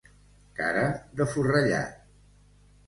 Cara de forrellat.